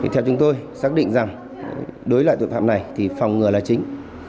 theo chúng tôi xác định rằng đối loại tội phạm này thì phòng ngừa là chính